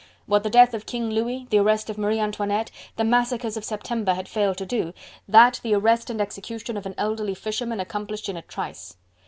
What the death of King Louis, the arrest of Marie Antoinette, the massacres of September had failed to do, that the arrest and execution of an elderly fisherman accomplished in a trice.